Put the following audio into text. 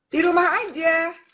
di rumah aja